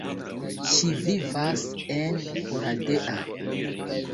Ŝi vivas en Oradea.